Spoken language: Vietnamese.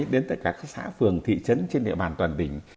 đến tất cả các xã phường thị trấn trên địa bàn toàn tỉnh